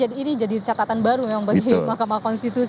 ini jadi catatan baru memang bagi mahkamah konstitusi